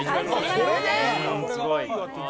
これで？